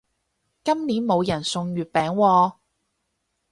今年冇人送月餅喎